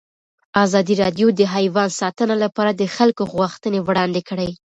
ازادي راډیو د حیوان ساتنه لپاره د خلکو غوښتنې وړاندې کړي.